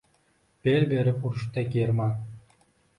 Bel berib urushda German